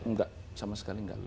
tidak sama sekali tidak